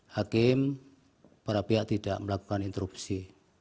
hakim para pihak tidak melakukan interupsi